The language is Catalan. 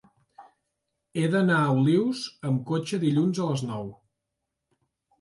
He d'anar a Olius amb cotxe dilluns a les nou.